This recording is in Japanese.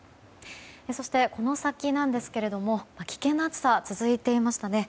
そして、この先ですが危険な暑さが続いていましたね。